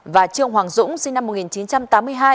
và trương hoàng dũng sinh năm một nghìn chín trăm tám mươi hai